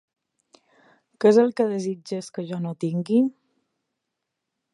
Què és el que desitges que jo no tingui?